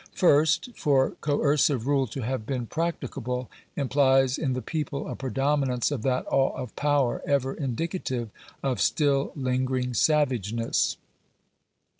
First, for coercive rule to have been practicable, implies in the people a predominance of that awe of power ever indicative of still lingering savageness.